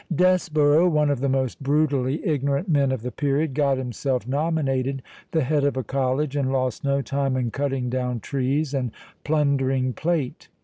Desborough, one of the most brutally ignorant men of the period, got himself nominated the head of a college, and lost no time in cutting down trees, and plundering plate.